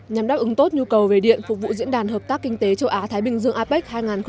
nhằm đáp ứng tốt nhu cầu về điện phục vụ diễn đàn hợp tác kinh tế châu á thái bình dương apec hai nghìn hai mươi